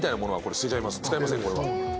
使いませんこれは。